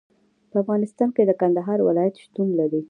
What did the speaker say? په افغانستان کې د کندهار ولایت شتون لري.